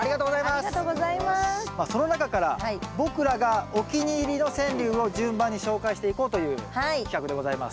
まあその中から僕らがお気に入りの川柳を順番に紹介していこうという企画でございます。